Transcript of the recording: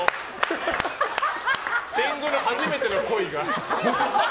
天狗の初めての恋が。